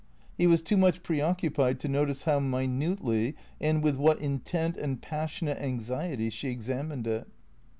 He was too much preoccupied to notice how minutely and with what intent and passionate anxiety she examined it.